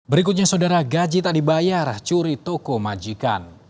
berikutnya saudara gaji tak dibayar curi toko majikan